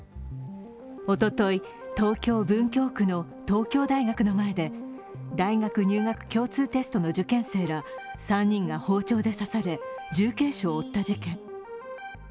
おととい、東京・文京区の東京大学の前で大学入学共通テストの受験生ら３人が包丁で刺され、重軽傷を負った事件。